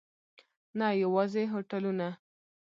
نه یوازې هوټلونه.